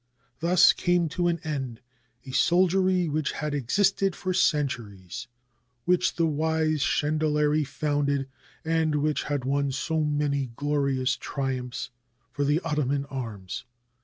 Thus came to an end a soldiery which had existed for centuries, which the wise Chendereli founded, and which had won so many glorious triumphs for the Ottoman arms.